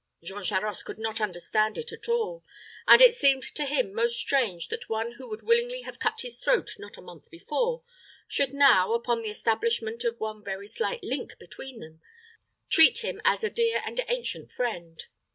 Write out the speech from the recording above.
Jean Charost could not understand it at all; and it seemed to him most strange that one who would willingly have cut his throat not a month before, should now, upon the establishment of one very slight link between them, treat him as a dear and ancient friend.